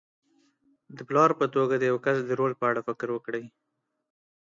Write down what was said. د پلار په توګه د یوه کس د رول په اړه فکر وکړئ.